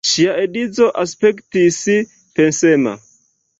Ŝia edzo aspektis pensema.